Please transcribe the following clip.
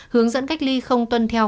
hướng dẫn cách ly không tuân theo